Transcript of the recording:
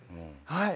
はい。